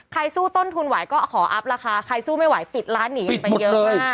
สู้ต้นทุนไหวก็ขออัพราคาใครสู้ไม่ไหวปิดร้านหนีกันไปเยอะมาก